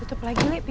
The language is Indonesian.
apa sih rname